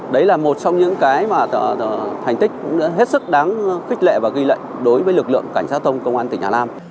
đấy là một trong những cái mà thành tích hết sức đáng khích lệ và ghi lệnh đối với lực lượng cảnh sát thông công an tỉnh hà nam